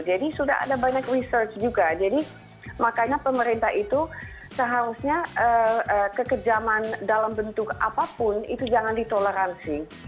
jadi sudah ada banyak research juga jadi makanya pemerintah itu seharusnya kekejaman dalam bentuk apapun itu jangan ditoleransi